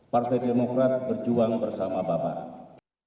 partai demokrat berjuang bersama bapak